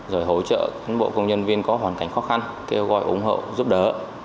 rồi hỗ trợ bộ công nhân viên có hoàn cảnh khó khăn kêu gọi ủng hộ giúp đỡ